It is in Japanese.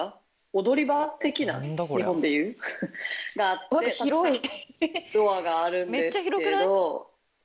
踊り場的な日本で言うがあってドアがあるんですけど。